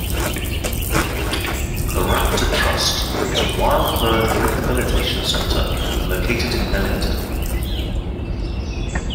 The Raptor Trust is a wild bird rehabilitation center located in Millington.